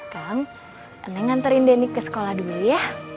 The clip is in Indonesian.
kan neng nganterin denny ke sekolah dulu ya